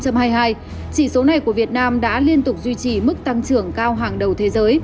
chỉ số này của việt nam đã liên tục duy trì mức tăng trưởng cao hàng đầu thế giới